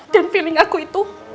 dan feeling aku itu